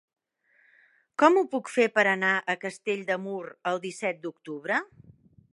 Com ho puc fer per anar a Castell de Mur el disset d'octubre?